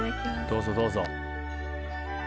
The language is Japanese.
どうぞどうぞ。